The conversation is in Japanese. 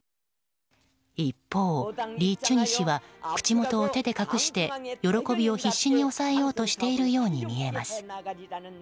一方、リ・チュニ氏は口元を手で隠して喜びを必死に抑えようとしているように見えます。